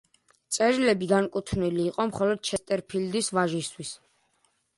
წერილები განკუთვნილი იყო მხოლოდ ჩესტერფილდის ვაჟისთვის.